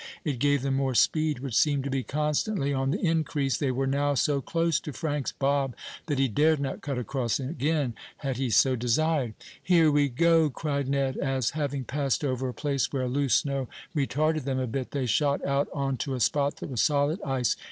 It gave them more speed, which seemed to be constantly on the increase. They were now so close to Frank's bob that he dared not cut across again, had he so desired. "Here we go!" cried Ned, as, having passed over a place where loose snow retarded them a bit, they shot out on to a spot that was solid ice.